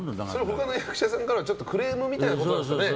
他の役者さんからはクレームみたいなことですよね？